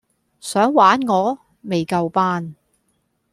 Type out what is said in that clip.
想玩我?未夠班